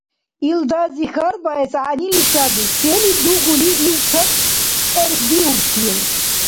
Ишдази хьарбаэс гӀягӀнили саби, сели дугули, ихцад цӀерхьдиубтил.